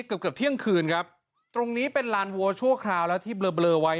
เกือบเกือบเที่ยงคืนครับตรงนี้เป็นลานวัวชั่วคราวแล้วที่เบลอเบลอไว้